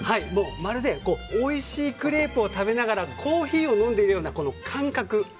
まるでおいしいクレープを食べながらコーヒーを飲んでいるような感覚。